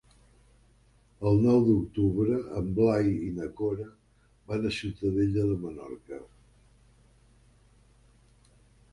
El nou d'octubre en Blai i na Cora van a Ciutadella de Menorca.